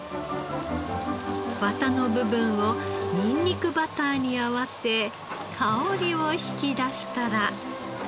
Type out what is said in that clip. ワタの部分をニンニクバターに合わせ香りを引き出したら。